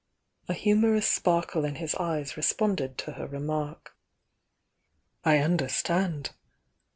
A humorous sparkle in his eyes responded to her remark. "I understand!